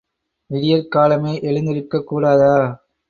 விடியற் காலமே எழுந்திருக்கக் கூடாதா?